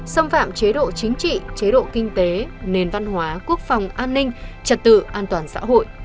xâm phạm chế độ chính trị chế độ kinh tế nền văn hóa quốc phòng an ninh trật tự an toàn xã hội